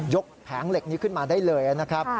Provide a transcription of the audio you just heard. แผงเหล็กนี้ขึ้นมาได้เลยนะครับ